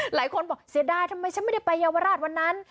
หลายคนบอกเสียดายทำไมฉันไม่ได้ไปเยาวราชวันนั้น